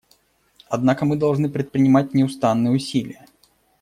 Однако мы должны предпринимать неустанные усилия.